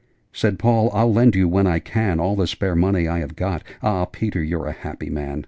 Said Paul' I'll lend you, when I can, All the spare money I have got Ah, Peter, you're a happy man!